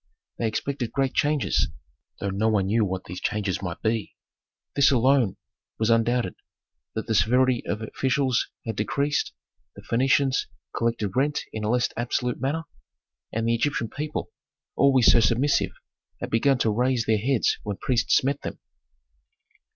They expected great changes, though no one knew what these changes might be. This alone was undoubted, that the severity of officials had decreased, that Phœnicians collected rent in a less absolute manner, and the Egyptian people, always so submissive, had begun to raise their heads when priests met them.